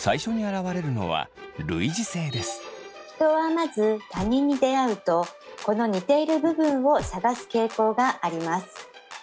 人はまず他人に出会うとこの似ている部分を探す傾向があります。